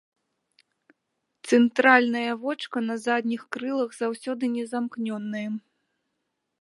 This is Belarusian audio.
Цэнтральнае вочка на задніх крылах заўсёды не замкнёнае.